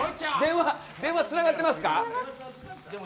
電話つながってますか？